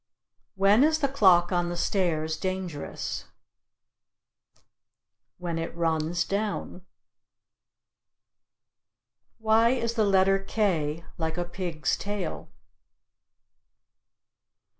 When is the clock on the stairs dangerous? When it runs down. Why is the letter "k" like a pig's tail?